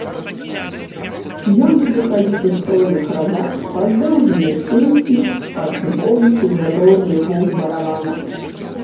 Ён будзе хадзіць у стройных радах пад дружныя песні, пад звонкі, задорны гул барабана.